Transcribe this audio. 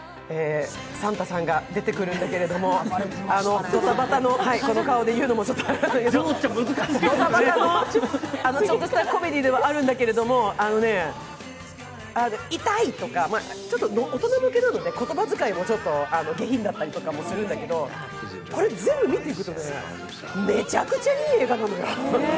サンタさんが出てくるんだけれども、この顔で言うのもちょっとあれですけど、ドタバタの、ちょっとしたコメディーではあるんだけれども、痛いとか、大人向けなので言葉遣いも下品だったりするんだけどこれ、全部見ていくとめちゃくちゃいい映画なのよ。